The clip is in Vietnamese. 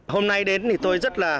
hôm nay đến thì tôi rất là cảm nhận